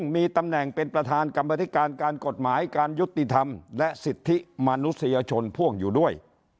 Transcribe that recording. มีตำแหน่งเป็นประธานกรรมธิการการกฎหมายการยุติธรรมและสิทธิมนุษยชนพ่วงอยู่ด้วย